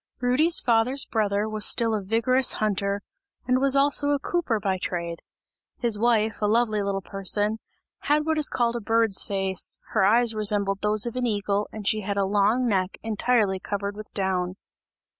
Rudy's father's brother was still a vigorous hunter and was also a cooper by trade; his wife, a lively little person, had what is called a bird's face; her eyes resembled those of an eagle and she had a long neck entirely covered with down.